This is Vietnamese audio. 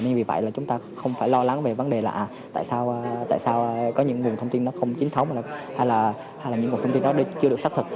nên vì vậy là chúng ta không phải lo lắng về vấn đề là tại sao có những nguồn thông tin nó không chính thống hay là những nguồn thông tin đó chưa được xác thực